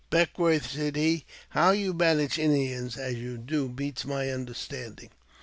'* Beckwourth," said he, "how you manage Indians as you •do beats my understanding."